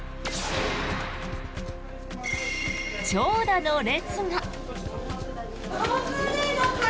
長蛇の列が。